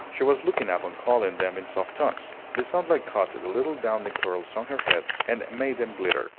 She was looking up and calling them in soft tones. The sunlight caught the little downy curls on her head and made them glitter.